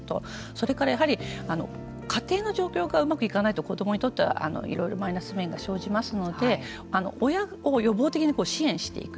それからやはり家庭の状況がうまくいかないと子どもにとっては、いろいろマイナス面が生じますので親を予防的に支援していく。